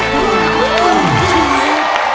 ร้องได้